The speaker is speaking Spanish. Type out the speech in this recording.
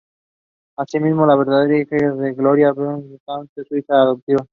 Asimismo, la verdadera hija de Gloria y Beau es Candace, su hija adoptiva.